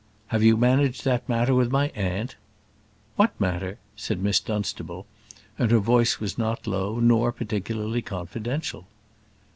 "Have you managed that matter with my aunt?" "What matter?" said Miss Dunstable; and her voice was not low, nor particularly confidential.